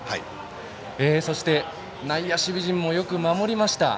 そして、内野守備陣もよく守りました。